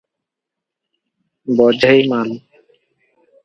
ବୋଝେଇ ମାଲ?